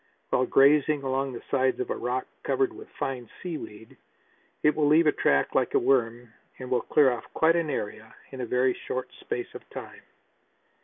While grazing along the sides of a rock covered with fine sea weed it will leave a track like a worm and will clear off quite an area in a very short space of time.